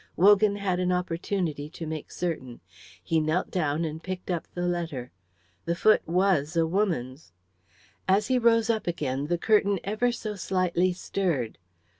Wogan had an opportunity to make certain. He knelt down and picked up the letter; the foot was a woman's. As he rose up again, the curtain ever so slightly stirred.